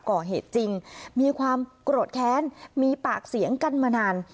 ก่อเหตุจริงมีความโกรธแค้นมีปากเสียงกันมานาน